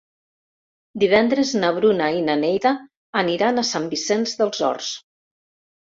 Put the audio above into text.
Divendres na Bruna i na Neida aniran a Sant Vicenç dels Horts.